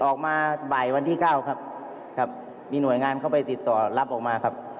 ออกมาบ่ายวันที่เก้าครับครับมีหน่วยงานเข้าไปติดต่อรับออกมาครับ